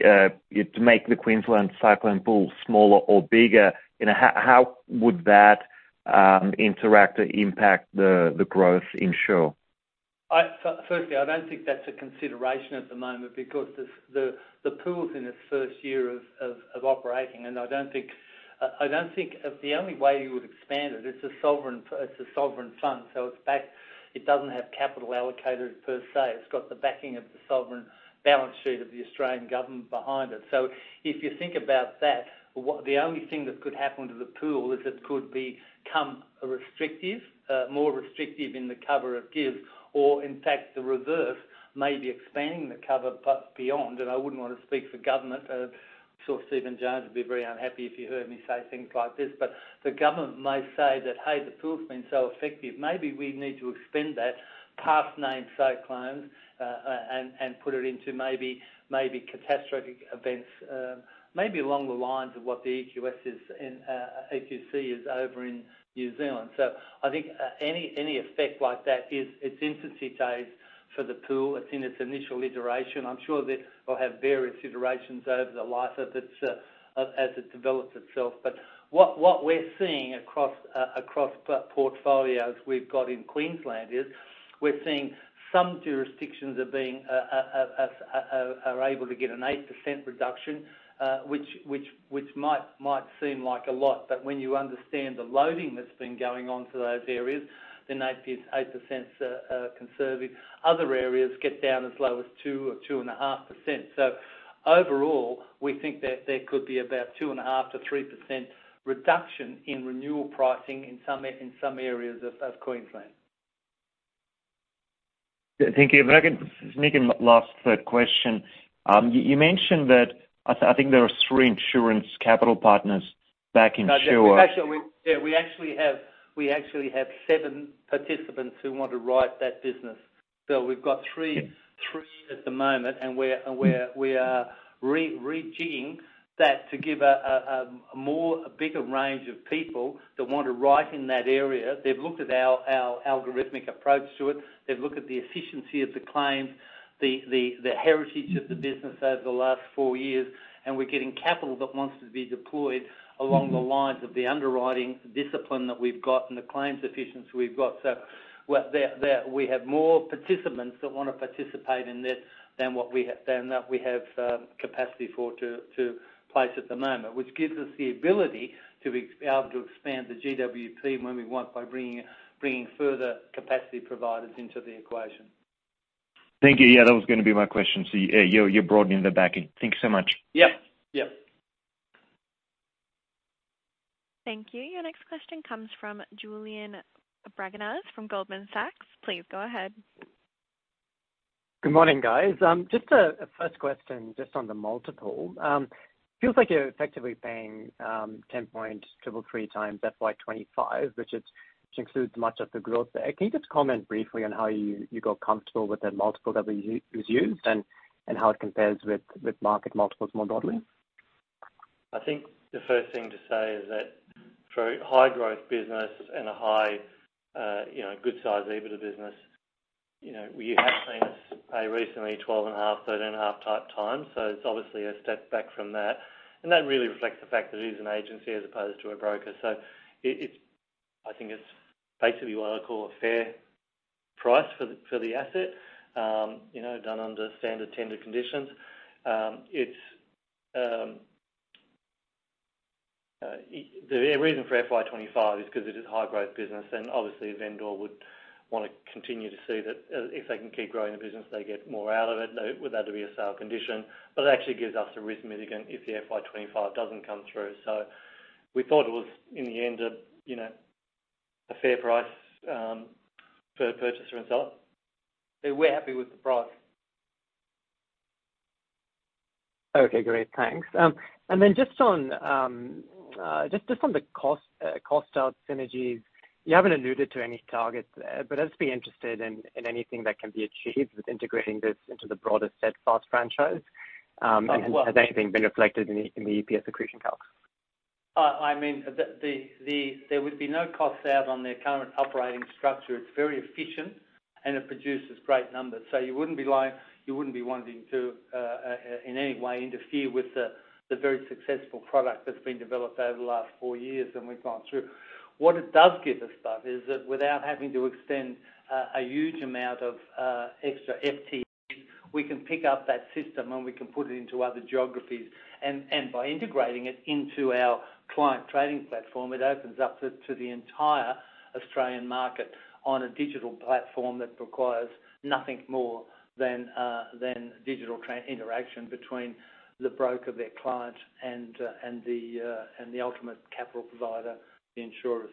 to make the Queensland cyclone pool smaller or bigger, you know, how would that interact or impact the growth in Sure? Firstly, I don't think that's a consideration at the moment because the pool's in its first year of operating, and I don't think... The only way you would expand it, it's a sovereign fund, so it's backed. It doesn't have capital allocated per se. It's got the backing of the sovereign balance sheet of the Australian government behind it. If you think about that, what the only thing that could happen to the pool is it could become restrictive, more restrictive in the cover it gives, or in fact, the reverse, maybe expanding the cover but beyond. I wouldn't want to speak for government, I'm sure Stephen Jones would be very unhappy if you heard me say things like this. But the government may say that, "Hey, the pool's been so effective, maybe we need to extend that past named cyclones, and, and put it into maybe, maybe catastrophic events," maybe along the lines of what the EQC is, and, EQC is over in New Zealand. I think, any, any effect like that is, it's infancy days for the pool. It's in its initial iteration. I'm sure that it'll have various iterations over the life of this, as it develops itself. But what we're seeing across portfolios we've got in Queensland is, we're seeing some jurisdictions are being able to get an 8% reduction, which might seem like a lot, but when you understand the loading that's been going on to those areas, then eight percent conservative. Other areas get down as low as two or 2.5%. Overall, we think that there could be about 2.5%-3% reduction in renewal pricing in some areas of Queensland.... Thank you. If I can make a last third question. You mentioned that, I think there are three insurance capital partners back in Sure- Yeah, we actually have seven participants who want to write that business. We've got three at the moment, and we're rejigging that to give a bigger range of people that want to write in that area. They've looked at our algorithmic approach to it. They've looked at the efficiency of the claims, the heritage of the business over the last four years, and we're getting capital that wants to be deployed along the lines of the underwriting discipline that we've got and the claims efficiency we've got. We have more participants that want to participate in this than what we have capacity for to place at the moment. Which gives us the ability to be able to expand the GWP when we want, by bringing further capacity providers into the equation. Thank you. Yeah, that was gonna be my question. Yeah, you're broadening the backing. Thank you so much. Yep. Yep. Thank you. Your next question comes from Julian Braganza from Goldman Sachs. Please, go ahead. Good morning, guys. Just a first question, just on the multiple. Feels like you're effectively paying 10.333x FY 2025, which includes much of the growth there. Can you just comment briefly on how you got comfortable with the multiple that was used, and how it compares with market multiples more broadly? I think the first thing to say is that for a high growth business and a high, you know, good size EBITDA business, you know, we have seen it pay recently 12.5-13.5x. It's obviously a step back from that. That really reflects the fact that it is an agency as opposed to a broker. It's, I think it's basically what I call a fair price for the, for the asset, you know, done under standard tender conditions. The reason for FY 2025 is 'cause it is high growth business, and obviously, the vendor would want to continue to see that, if they can keep growing the business, they get more out of it. Though, would have to be a sale condition, but it actually gives us a risk mitigate if the FY 25 doesn't come through. We thought it was, in the end, you know, a fair price for the purchaser and seller. We're happy with the price. Okay, great. Thanks. Then just on the cost out synergies, you haven't alluded to any targets there, but I'd just be interested in anything that can be achieved with integrating this into the broader Steadfast franchise. Has anything been reflected in the EPS accretion calc? I mean, there would be no cost out on their current operating structure. It's very efficient, and it produces great numbers. You wouldn't be wanting to, in any way, interfere with the very successful product that's been developed over the last four years, and we've gone through. What it does give us, though, is that without having to extend, a huge amount of, extra FTE, we can pick up that system, and we can put it into other geographies. By integrating it into our Client Trading Platform, it opens up to the entire Australian market on a digital platform that requires nothing more than digital interaction between the broker, their client, and the ultimate capital provider, the insurers.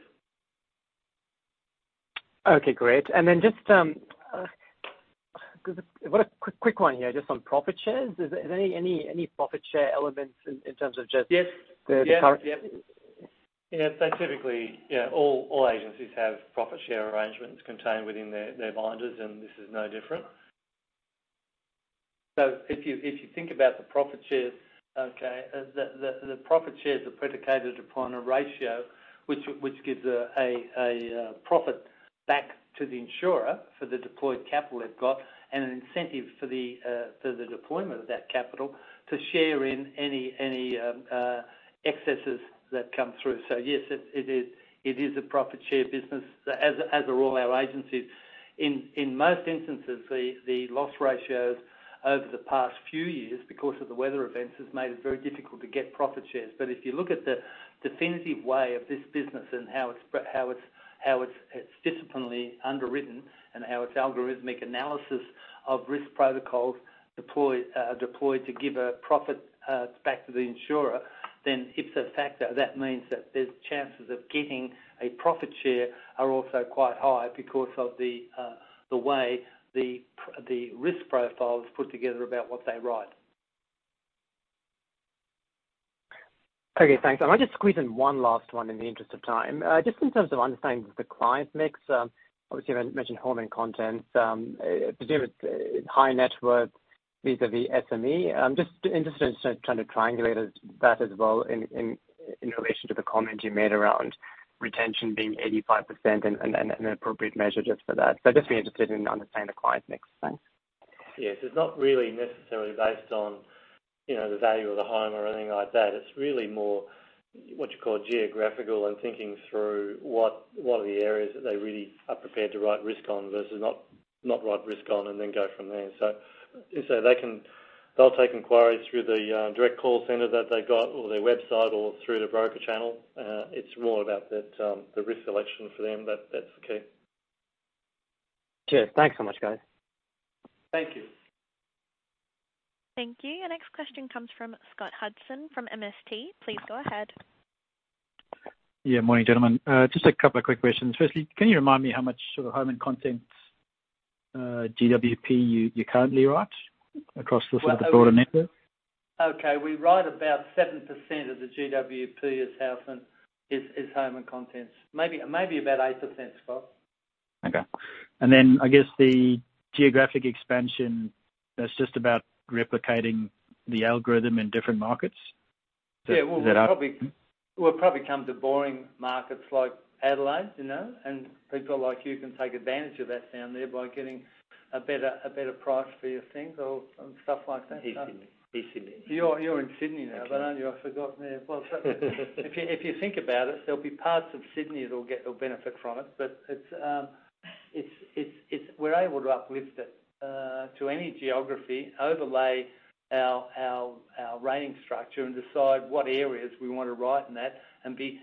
Okay, great. Then just got a quick one here, just on profit shares. Is there any profit share elements in terms of just- Yes. The current- Yeah. Yep. Yeah, specifically, yeah, all agencies have profit share arrangements contained within their binders, and this is no different. If you think about the profit shares, okay, the profit shares are predicated upon a ratio which gives a profit back to the insurer for the deployed capital they've got, and an incentive for the deployment of that capital to share in any excesses that come through. Yes, it is a profit share business, as are all our agencies. In most instances, the loss ratios over the past few years, because of the weather events, has made it very difficult to get profit shares. But if you look at the defensive way of this business and how it's disciplinedly underwritten and how its algorithmic analysis of risk protocols are deployed to give a profit back to the insurer, then ipso facto, that means that there's chances of getting a profit share are also quite high because of the way the risk profile is put together about what they write. Okay, thanks. I might just squeeze in one last one in the interest of time. Just in terms of understanding the client mix, obviously, you mentioned home and content, presumably high net worth vis-à-vis SME. I'm just interested in sort of trying to triangulate that as well in relation to the comment you made around retention being 85% and an appropriate measure just for that. Just be interested in understanding the client mix. Thanks. Yes. It's not really necessarily based on, you know, the value of the home or anything like that. It's really more what you call geographical and thinking through what are the areas that they really are prepared to write risk on versus not write risk on and then go from there. They'll take inquiries through the direct call center that they got or their website or through the broker channel. It's more about that, the risk selection for them. That's the key. Cheers. Thanks so much, guys. Thank you. ... Thank you. Our next question comes from Scott Hudson from MST. Please go ahead. Yeah, morning, gentlemen. Just a couple of quick questions. Firstly, can you remind me how much sort of home and contents GWP you currently write across the sort of broader network? Okay, we write about 7% of the GWP is house and is home and contents. Maybe about 8%, Scott. Okay. Then, I guess, the geographic expansion, that's just about replicating the algorithm in different markets? Yeah, well, we'll probably- Is that right? We'll probably come to boring markets like Adelaide, you know, and people like you can take advantage of that down there by getting a better, a better price for your things or, and stuff like that. He's in Sydney. You're in Sydney now, but aren't you? I've forgotten there. Well, if you think about it, there'll be parts of Sydney that will get, will benefit from it. It's, it's -- we're able to uplift it to any geography, overlay our rating structure, and decide what areas we want to write in that, and be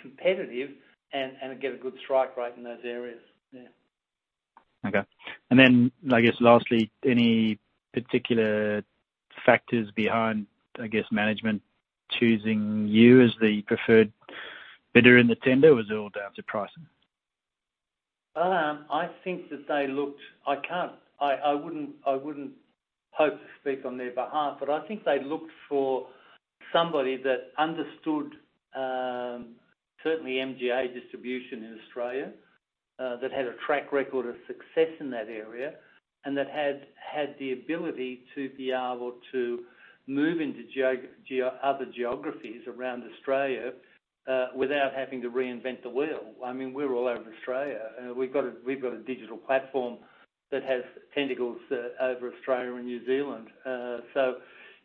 competitive and get a good strike rate in those areas. Yeah. Okay. Then, I guess, lastly, any particular factors behind, I guess, management choosing you as the preferred bidder in the tender, or was it all down to pricing? I think that they looked... I wouldn't hope to speak on their behalf, but I think they looked for somebody that understood certainly MGA distribution in Australia, that had a track record of success in that area, and that had the ability to be able to move into other geographies around Australia, without having to reinvent the wheel. I mean, we're all over Australia. We've got a digital platform that has tentacles over Australia and New Zealand. So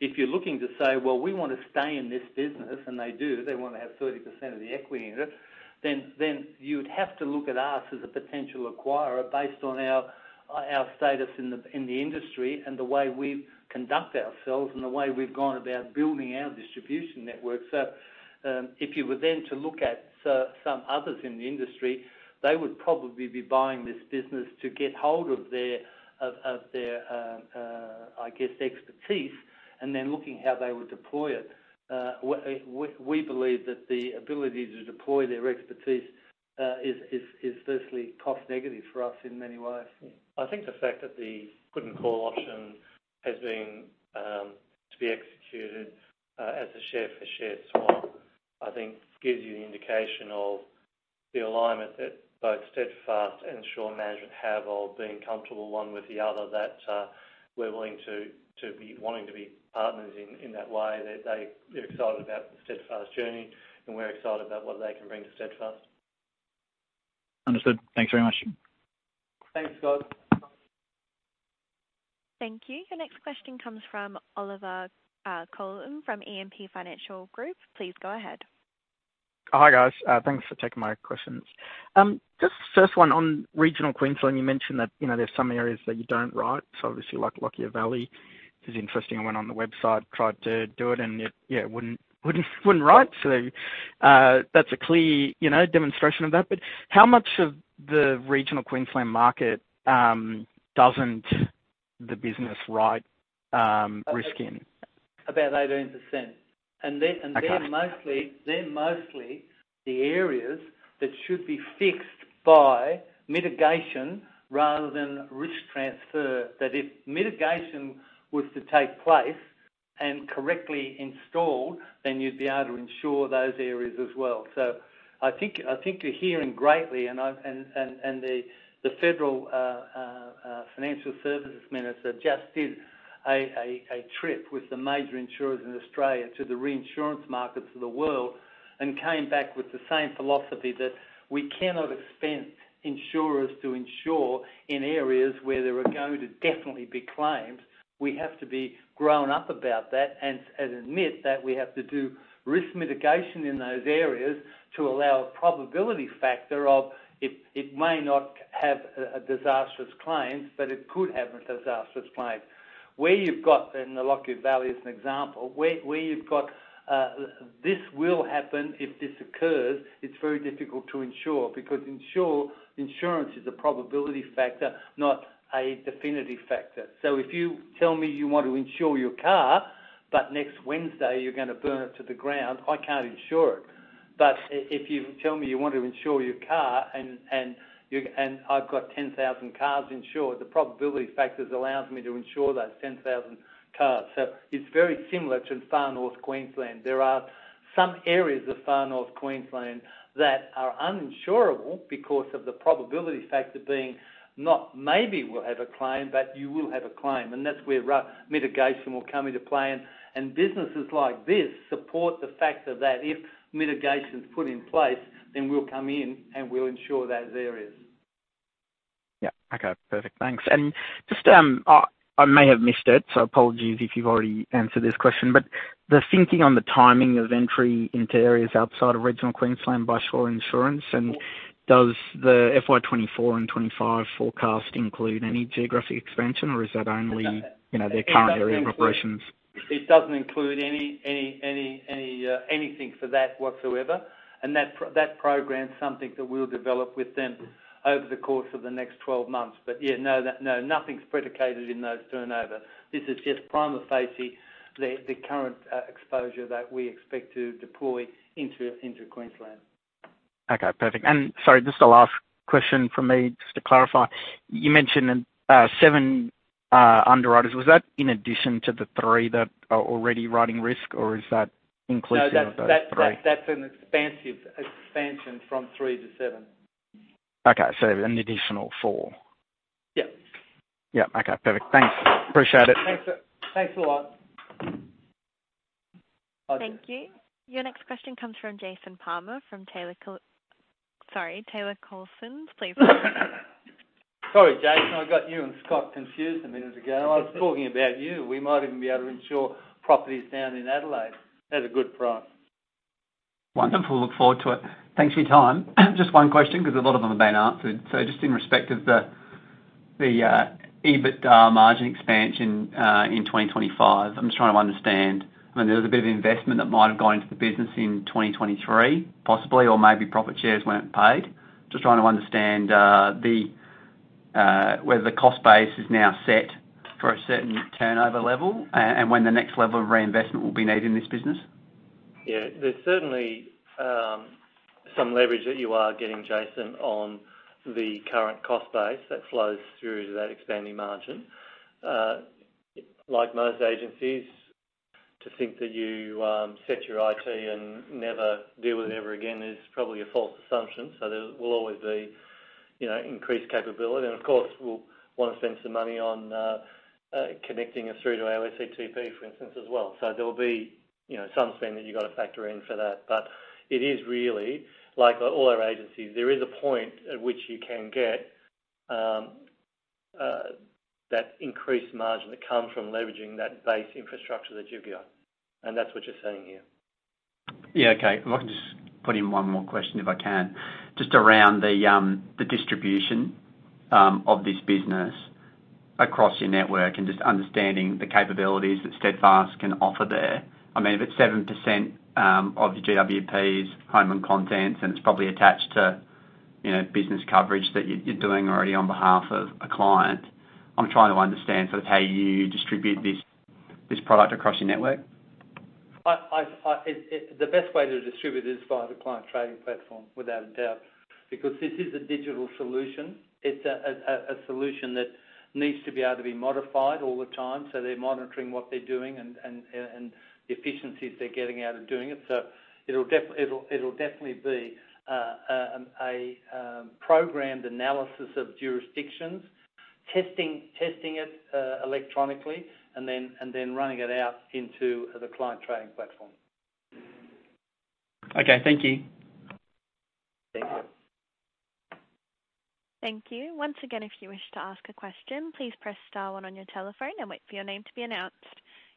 if you're looking to say, "Well, we want to stay in this business," and they do, they want to have 30% of the equity in it, then you'd have to look at us as a potential acquirer based on our status in the industry and the way we conduct ourselves and the way we've gone about building our distribution network. If you were then to look at some others in the industry, they would probably be buying this business to get hold of their expertise, and then looking how they would deploy it. We believe that the ability to deploy their expertise is firstly cost-negative for us in many ways. I think the fact that the put and call option has been to be executed as a share for share swap. I think gives you an indication of the alignment that both Steadfast and Sure have of being comfortable one with the other, that we're willing to be wanting to be partners in that way. That they're excited about the Steadfast journey, and we're excited about what they can bring to Steadfast. Understood. Thanks very much. Thanks, Scott. Thank you. Your next question comes from Oliver, Colan from EMP Financial Group. Please go ahead. Hi, guys. Thanks for taking my questions. Just first one, on Regional Queensland, you mentioned that, you know, there are some areas that you don't write, so obviously like Lockyer Valley. It's interesting, I went on the website, tried to do it, and it wouldn't write. That's a clear, you know, demonstration of that. How much of the Regional Queensland market doesn't the business write risk in? About 18%. Okay. They're mostly the areas that should be fixed by mitigation rather than risk transfer. That if mitigation was to take place and correctly installed, then you'd be able to insure those areas as well. I think you're hearing greatly, and the Federal Financial Services Minister just did a trip with the major insurers in Australia to the reinsurance markets of the world and came back with the same philosophy, that we cannot expect insurers to insure in areas where there are going to definitely be claims. We have to be grown up about that and admit that we have to do risk mitigation in those areas to allow a probability factor of it may not have a disastrous claim, but it could have a disastrous claim. Where you've got, and the Lockyer Valley is an example, where, where you've got, this will happen if this occurs, it's very difficult to insure because insurance is a probability factor, not a definitive factor. If you tell me you want to insure your car, but next Wednesday you're gonna burn it to the ground, I can't insure it. If you tell me you want to insure your car and, and you, and I've got 10,000 cars insured, the probability factors allows me to insure those 10,000 cars. It's very similar to Far North Queensland. There are some areas of Far North Queensland that are uninsurable because of the probability factor being not maybe we'll have a claim, but you will have a claim, and that's where mitigation will come into play. Businesses like this support the fact of that. If mitigation is put in place, then we'll come in and we'll insure those areas. Yeah. Okay, perfect. Thanks. Just, I may have missed it, so apologies if you've already answered this question, but the thinking on the timing of entry into areas outside of regional Queensland by Sure Insurance, and does the FY 2024 and 2025 forecast include any geographic expansion, or is that only, you know, their current area of operations?... It doesn't include any anything for that whatsoever, and that program is something that we'll develop with them over the course of the next 12 months. Yeah, no, that, no, nothing's predicated in those turnover. This is just prima facie, the current exposure that we expect to deploy into Queensland. Okay, perfect. Sorry, just a last question from me, just to clarify. You mentioned in seven underwriters. Was that in addition to the three that are already writing risk, or is that inclusion of those three? No, that's an expansive expansion from 3 to 7. Okay, so an additional four? Yeah. Yeah. Okay, perfect. Thanks. Appreciate it. Thanks a lot. Thank you. Your next question comes from Jason Palmer, from Taylor Col- sorry, Taylor Collison. Please go ahead. Sorry, Jason, I got you and Scott confused a minute ago. I was talking about you. We might even be able to insure properties down in Adelaide at a good price. Wonderful. Look forward to it. Thanks for your time. Just one question, because a lot of them have been answered. Just in respect of the EBITDA margin expansion in 2025, I'm just trying to understand. I mean, there was a bit of investment that might have gone into the business in 2023, possibly, or maybe profit shares weren't paid. Just trying to understand whether the cost base is now set for a certain turnover level and when the next level of reinvestment will be needed in this business. Yeah, there's certainly some leverage that you are getting, Jason, on the current cost base that flows through to that expanding margin. Like most agencies, to think that you set your IT and never deal with it ever again is probably a false assumption. There will always be, you know, increased capability, and of course, we'll want to spend some money on connecting it through to our SCTP, for instance, as well. There will be, you know, some spend that you've got to factor in for that. It is really like all our agencies, there is a point at which you can get that increased margin that come from leveraging that base infrastructure that you've got, and that's what you're seeing here. Yeah, okay. If I can just put in one more question, if I can. Just around the distribution of this business across your network and just understanding the capabilities that Steadfast can offer there. I mean, if it's 7% of the GWPs, home and contents, and it's probably attached to, you know, business coverage that you're doing already on behalf of a client, I'm trying to understand sort of how you distribute this product across your network. The best way to distribute it is via the Client Trading Platform, without a doubt, because this is a digital solution. It's a solution that needs to be able to be modified all the time, so they're monitoring what they're doing and the efficiencies they're getting out of doing it. It'll definitely be a programmed analysis of jurisdictions, testing it electronically, and then running it out into the Client Trading Platform. Okay, thank you. Thank you. Thank you. Once again, if you wish to ask a question, please press star one on your telephone and wait for your name to be announced.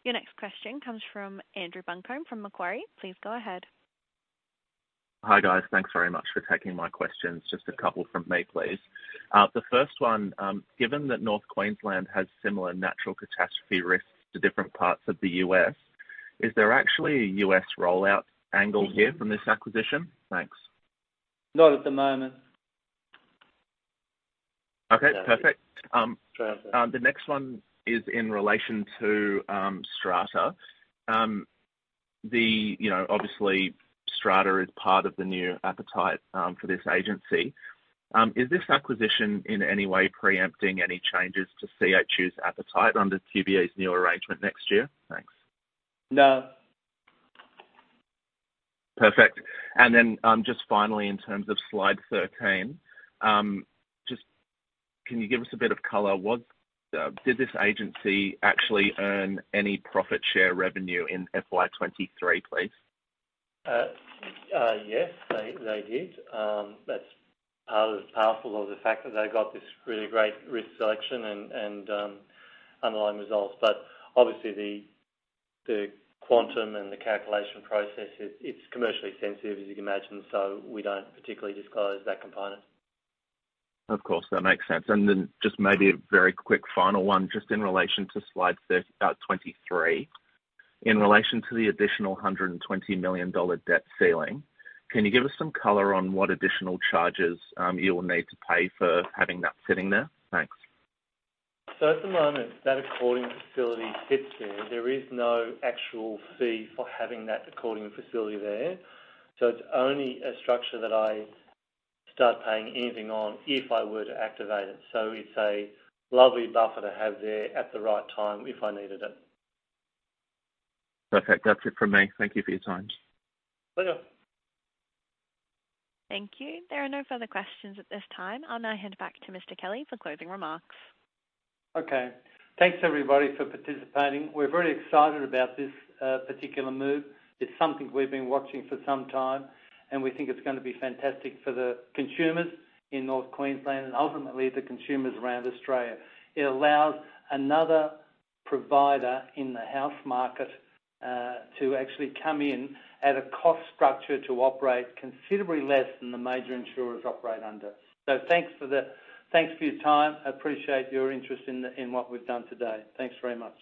Your next question comes from Andrew Buncombe, from Macquarie. Please go ahead. Hi, guys. Thanks very much for taking my questions. Just a couple from me, please. The first one, given that North Queensland has similar natural catastrophe risks to different parts of the US, is there actually a US rollout angle here from this acquisition? Thanks. Not at the moment. Okay, perfect. Yeah. The next one is in relation to Strata. You know, obviously, Strata is part of the new appetite for this agency. Is this acquisition in any way preempting any changes to CHU's appetite under QBE's new arrangement next year? Thanks. No. Perfect. Then, just finally, in terms of slide 13, just can you give us a bit of color? Did this agency actually earn any profit share revenue in FY23, please? Yes, they did. That's part of the power of the fact that they got this really great risk selection and underlying results. Obviously, the quantum and the calculation process, it's commercially sensitive, as you can imagine, so we don't particularly disclose that component. Of course, that makes sense. Then just maybe a very quick final one, just in relation to slide twenty-three. In relation to the additional 120 million dollar debt ceiling, can you give us some color on what additional charges you will need to pay for having that sitting there? Thanks. So at the moment, that accordion facility sits there. There is no actual fee for having that accordion facility there. It's only a structure that I start paying anything on if I were to activate it. It's a lovely buffer to have there at the right time if I needed it. Perfect. That's it from me. Thank you for your time. Pleasure. Thank you. There are no further questions at this time. I'll now hand it back to Mr. Kelly for closing remarks. Okay. Thanks, everybody, for participating. We're very excited about this particular move. It's something we've been watching for some time, and we think it's going to be fantastic for the consumers in North Queensland and ultimately the consumers around Australia. It allows another provider in the house market to actually come in at a cost structure to operate considerably less than the major insurers operate under. Thanks for your time. I appreciate your interest in what we've done today. Thanks very much.